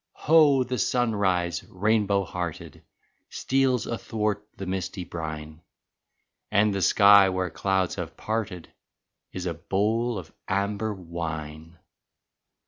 Ho, the sunrise rainbow hearted Steals athwart the misty brine. And the sky where clouds have parted Is a bowl of amber wine